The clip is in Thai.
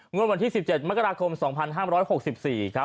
วันที่๑๗มกราคม๒๕๖๔ครับ